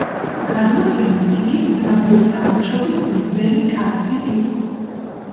გადმოცემით, იგი მდაბიო წარმოშობის ბრძენი კაცი იყო.